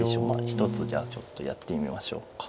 ひとつじゃあちょっとやってみましょうか。